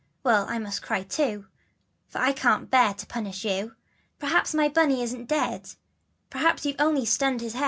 Then I must cry too And I can't bear to punish you; Perhaps my Bunny isn't dead, Perhaps you've only stunned his head.